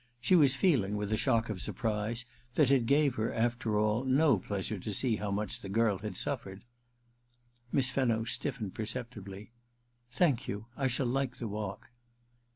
She was feel ing, with a shock of surprise, that it gave her, after all, no pleasure to see how much the girl had suffered. Miss Fenno stiffened perceptibly. * Thank you ; I shall like the walk.'